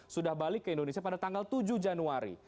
sudah balik ke indonesia pada tanggal tujuh januari